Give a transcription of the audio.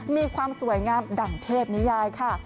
มีความสวยงามดั่งเทพนิยายค่ะ